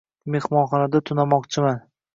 Mehmonxonada tunamoqchiman